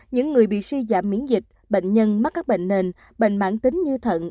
những người bị suy giảm miễn dịch bệnh nhân mắc các bệnh nền bệnh mạng tính như thận